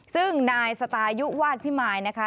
ซึ่งนายสตายุวาดพิมายนะคะ